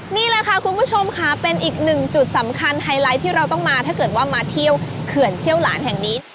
นี่แหละค่ะคุณผู้ชมค่ะเป็นอีกหนึ่งจุดสำคัญไฮไลท์ที่เราต้องมาถ้าเกิดว่ามาเที่ยวเขื่อนเชี่ยวหลานแห่งนี้